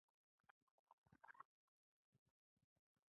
علم د راتلونکي نسل لپاره پانګه ده.